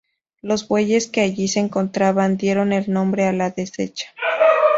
Los bueyes que allí se encontraban dieron el nombre a la dehesa.